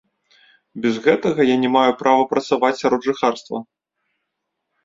Без гэтага я не маю права працаваць сярод жыхарства.